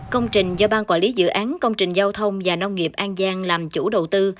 công trình do ban quản lý dự án công trình giao thông và nông nghiệp an giang làm chủ đầu tư